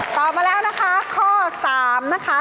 มาแล้วนะคะข้อ๓นะคะ